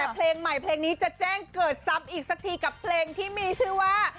เพลงใหม่เพลงนี้จะแจ้งเกิดซ้ำอีกสักทีกับเพลงที่มีชื่อว่า